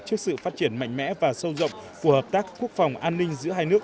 trước sự phát triển mạnh mẽ và sâu rộng của hợp tác quốc phòng an ninh giữa hai nước